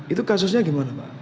itu kasusnya gimana pak